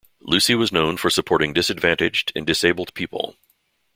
Lucy was known for supporting disadvantaged and disabled people.